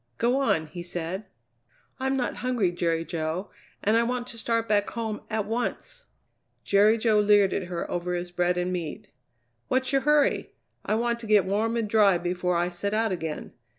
"Go on!" he said. "I'm not hungry, Jerry Jo, and I want to start back home at once." Jerry Jo leered at her over his bread and meat. "What's your hurry? I want to get warm and dry before I set out again.